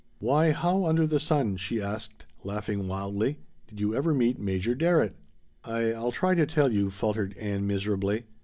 Why how under the sun," she asked, laughing wildly, "did you ever meet Major Darrett?" "I I'll try to tell you," faltered Ann miserably.